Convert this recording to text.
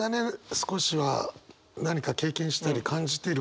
少しは何か経験したり感じている